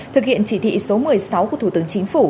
thực hiện chỉ thị số một mươi sáu của thủ tướng chính phủ